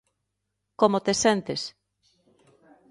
Como te sentes?